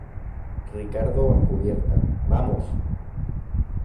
Ricardo, a cubierta. ¡ vamos!